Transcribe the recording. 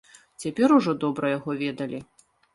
Цяпер ужо добра яго ведалі.